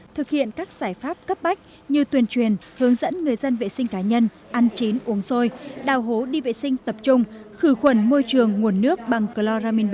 thực hiện các giải pháp cấp bách như tuyên truyền hướng dẫn người dân vệ sinh cá nhân ăn chín uống sôi đào hố đi vệ sinh tập trung khử khuẩn môi trường nguồn nước bằng chloramin b